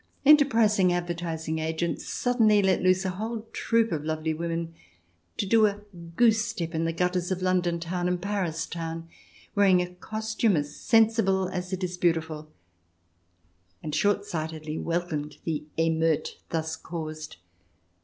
Enterprising advertising agents suddenly let loose a whole troop of lovely women to do a goose step in the gutters of London Town and Paris Town wearing a costume as sensible as it is beautiful, and short sightedly welcomed the emeute thus caused.